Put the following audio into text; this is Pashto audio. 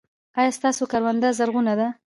ایا ستاسو کرونده زرغونه ده؟